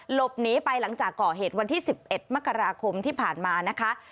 หลบหนีไปหลังจากก่อเหตุวันที่๑๑มกราคมที่ผ่านมานะคะ